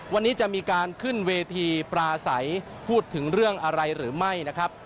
วันนี้จะมีการขึ้นเวทีปลาใสพูดถึงเรื่องอะไรหรือไม่นะครับ